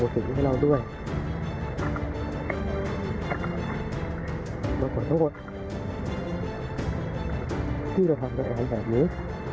ที่เราทำแบบนี้